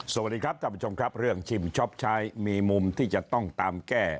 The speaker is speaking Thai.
สวัสดีครับท่านผู้ชมครับเรื่องชิมช็อปใช้มีมุมที่จะต้องตามแก้